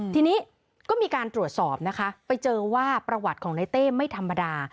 ทีนี้ก็มีการตรวจสอบนะคะไปเจอว่าประวัติของในเต้ไม่ธรรมดา